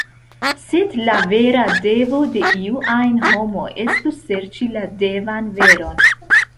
Sed la vera devo de iu ajn homo estu serĉi la devan veron.